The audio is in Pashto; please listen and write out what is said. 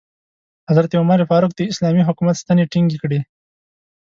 حضرت عمر فاروق د اسلامي حکومت ستنې ټینګې کړې.